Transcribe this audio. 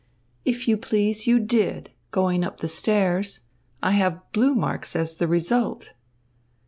"If you please, you did going up the stairs. I have blue marks as the result."